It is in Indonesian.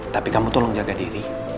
tapi kamu tolong jaga diri